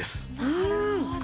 なるほど。